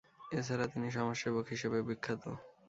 এছাড়া তিনি সমাজসেবক হিসেবেও বিখ্যাত।